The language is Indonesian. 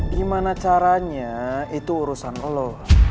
gimana caranya itu urusan allah